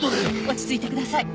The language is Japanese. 落ち着いてください。